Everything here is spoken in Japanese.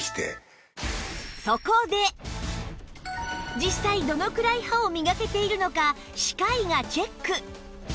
実際どのくらい歯を磨けているのか歯科医がチェック